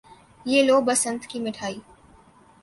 یہ لو، بسنت کی مٹھائی۔